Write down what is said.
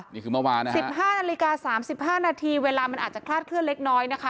๑๕นาฬิกา๓๕นาทีเวลามันอาจจะคลาดเคลื่อนเล็กน้อยนะคะ